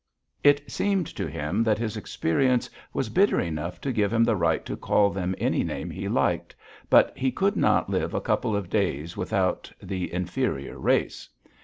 It seemed to him that his experience was bitter enough to give him the right to call them any name he liked, but he could not live a couple of days without the "inferior race."